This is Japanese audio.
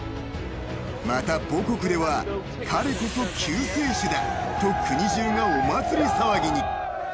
［また母国では「彼こそ救世主だ」と国中がお祭り騒ぎに］